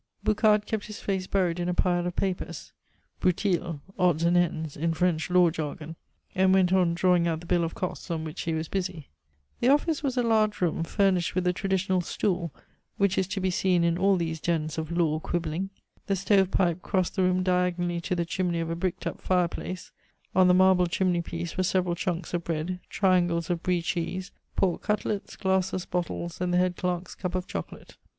Boucard kept his face buried in a pile of papers broutilles (odds and ends) in French law jargon and went on drawing out the bill of costs on which he was busy. The office was a large room furnished with the traditional stool which is to be seen in all these dens of law quibbling. The stove pipe crossed the room diagonally to the chimney of a bricked up fireplace; on the marble chimney piece were several chunks of bread, triangles of Brie cheese, pork cutlets, glasses, bottles, and the head clerk's cup of chocolate.